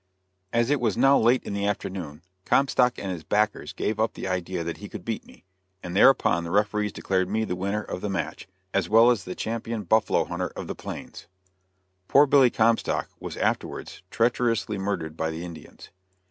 As it was now late in the afternoon, Comstock and his backers gave up the idea that he could beat me, and thereupon the referees declared me the winner of the match, as well as the champion buffalo hunter of the plains.[A] [Footnote A: Poor Billy Comstock was afterwards treacherously murdered by the Indians.